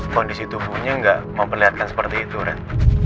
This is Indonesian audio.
kondisi tubuhnya nggak memperlihatkan seperti itu ren